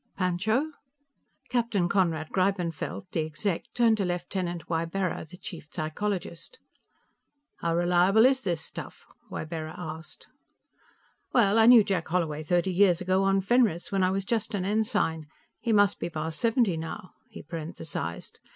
"Pancho?" Captain Conrad Greibenfeld, the Exec., turned to Lieutenant Ybarra, the chief psychologist. "How reliable is this stuff?" Ybarra asked. "Well, I knew Jack Holloway thirty years ago, on Fenris, when I was just an ensign. He must be past seventy now," he parenthesized.